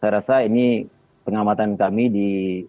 saya rasa ini pengamatan kami di